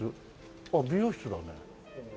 ああ美容室だね。